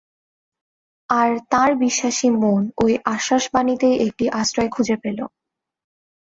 আর তাঁর বিশ্বাসী মন ঐ আশ্বাস-বাণীতেই একটি আশ্রয় খুঁজে পেল।